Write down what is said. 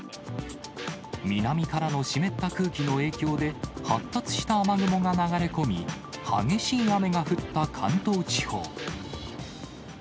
南からの湿った空気の影響で、発達した雨雲が流れ込み、激しい雨が降った関東地方。